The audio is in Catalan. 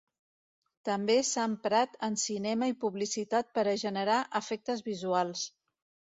També s'ha emprat en cinema i publicitat per a generar efectes visuals.